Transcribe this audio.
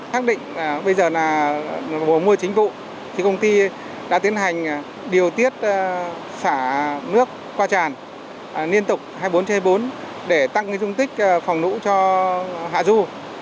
thắc định bây giờ là mùa mưa chính vụ công ty đã tiến hành điều tiết xả nước qua tràn liên tục hai mươi bốn hai mươi bốn để tăng dung tích phòng lũ cho hạ du